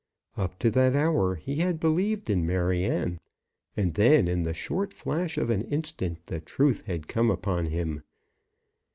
Up to that hour he had believed in Maryanne, and then in the short flash of an instant the truth had come upon him.